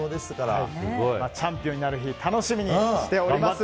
チャンピオンになる日を楽しみにしております。